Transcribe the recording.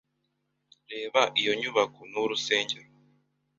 Reba iyo nyubako. Ni urusengero?